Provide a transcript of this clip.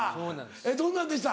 えっどんなんでした？